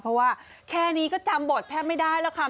เพราะว่าแค่นี้ก็จำบทแทบไม่ได้แล้วค่ะ